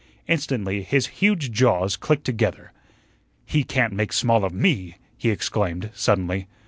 Instantly his huge jaws clicked together. "He can't make small of ME," he exclaimed, suddenly.